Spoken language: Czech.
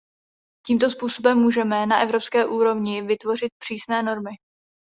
Tímto způsobem můžeme na evropské úrovni vytvořit přísné normy.